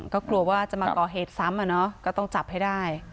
ก็กลัวว่าจะมาก่อเหตุซ้ำก็ต้องจับให้ได้